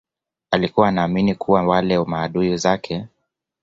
alikuwa anaamini kuwa wale maadui zake